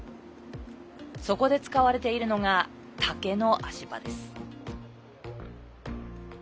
そこで使われているのが竹の足場です。